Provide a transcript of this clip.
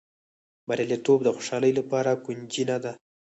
بریالیتوب د خوشالۍ لپاره کونجي نه ده.